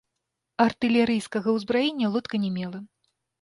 Артылерыйскага ўзбраення лодка не мела.